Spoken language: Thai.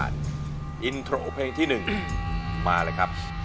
ดีกว่าด้วย